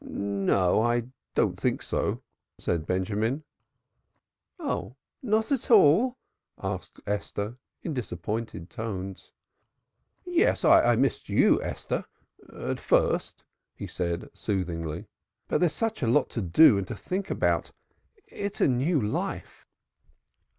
"No, I don't think so," said Benjamin. "Oh, not at all?" asked Esther in disappointed tones. "Yes, I missed you, Esther, at first," he said, soothingly. "But there's such a lot to do and to think about. It's a new life."